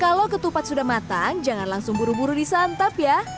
kalau ketupat sudah matang jangan langsung buru buru disantap ya